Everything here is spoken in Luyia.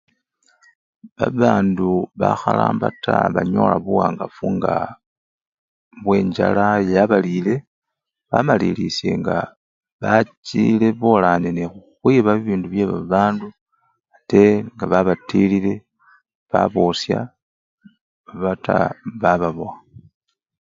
Babandu bakharamba taa banyola buwangafu ngaa! bwenchala yabalile, bamalilisya nga bachile bolane nekhukhwiba bibindu byebabandu ate nga babatilile babosya obata bababowa.